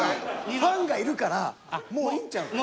ファンがいるからもういいんちゃうかな。